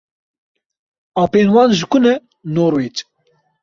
Apên wan ji ku ne? "Norwêc."